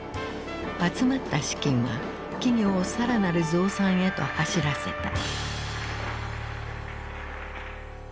集まった資金は企業を更なる増産へと走らせた。